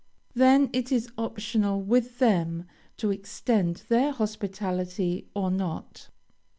Then, it is optional with them to extend their hospitality or not.